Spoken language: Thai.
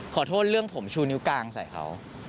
ขอโทษเรื่องผมชูนิ้วกลางใส่เขา